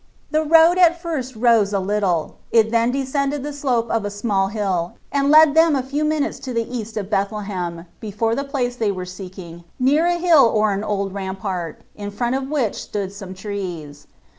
The road at first rose a little, it then descended the slope of a small hill, and led them a few minutes to the east of Bethlehem, before the place they were seeking, near a hill or an old rampart, in front of which stood some trees.